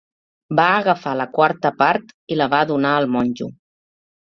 Va agafar la quarta part i la va donar al monjo.